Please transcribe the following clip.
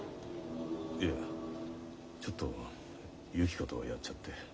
いやちょっとゆき子とやっちゃって。